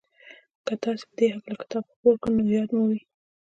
که تاسې په دې هکله کتاب خپور کړ نو ياد مو وي.